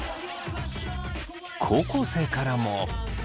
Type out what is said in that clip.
高校生からも。